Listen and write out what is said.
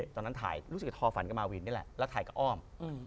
ตอนนั้นถ่ายรู้สึกทอฝันกับมาวินนี่แหละแล้วถ่ายกับอ้อม